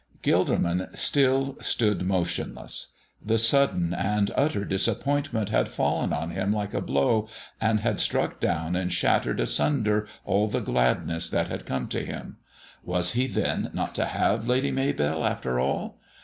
Gilderman still stood motionless. The sudden and utter disappointment had fallen on him like a blow, and had struck down and shattered asunder all the gladness that had come to him. Was he, then, not to have Lady Maybell, after all?